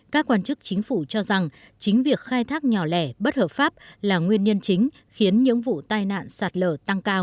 các quan chức chính phủ cho rằng chính việc khai thác nhỏ lẻ bất hợp pháp là nguyên nhân chính khiến những vụ tai nạn sạt lở tăng cao